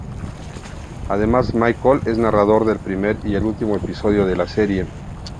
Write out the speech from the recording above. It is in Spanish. Además Michael es el narrador del primer y el último episodio de la serie.